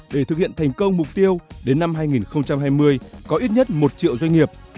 để thực hiện thành công mục tiêu đến năm hai nghìn hai mươi có ít nhất một triệu doanh nghiệp